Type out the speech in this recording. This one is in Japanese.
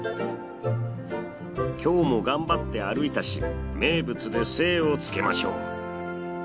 今日も頑張って歩いたし名物で精をつけましょう。